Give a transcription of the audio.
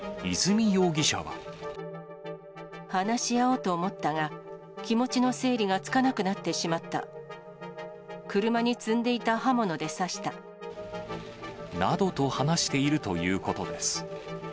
話し合おうと思ったが、気持ちの整理がつかなくなってしまった。などと話しているということです。